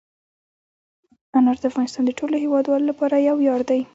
انار د افغانستان د ټولو هیوادوالو لپاره یو ویاړ دی.